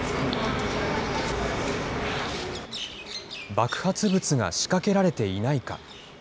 爆発物が仕掛けられていないか。